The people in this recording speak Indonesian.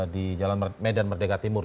di jalan medan merdeka timur